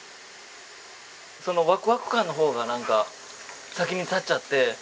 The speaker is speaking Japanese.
そのワクワク感の方がなんか先に立っちゃって。